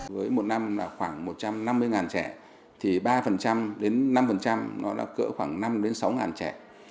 với một năm là khoảng một trăm năm mươi trẻ thì ba đến năm nó đã cỡ khoảng năm sáu trẻ